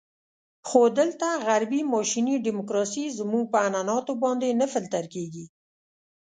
خو دلته غربي ماشیني ډیموکراسي زموږ په عنعناتو باندې نه فلتر کېږي.